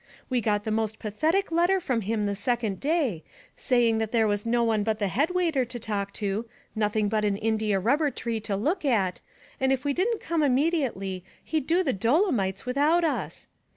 We got the most pathetic letter from him the second day, saying there was no one but the head waiter to talk to, nothing but an india rubber tree to look at, and if we didn't come immediately, he'd do the Dolomites without us.